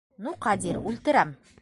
Ну, Ҡадир, үлтерәм!